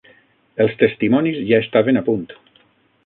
Els testimonis ja estaven a punt